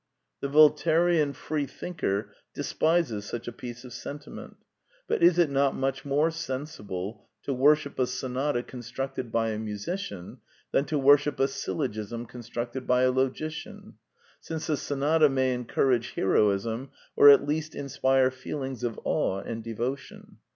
The Voltairian freethinker despises such a piece of sentiment ; but is it not much more sensible to worship a sonata constructed by a musician than to worship a syllogism constructed by a logician, since the sonata may encourage heroism, or at least inspire feelings of awe and devotion?